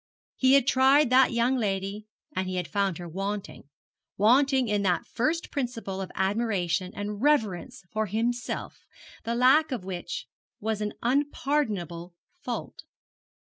He had tried that young lady, and had found her wanting, wanting in that first principle of admiration and reverence for himself, the lack of which was an unpardonable fault.